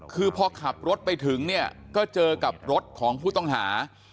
คือพอขับรถไปถึงเนี่ยก็เจอกับรถของผู้ต้องหา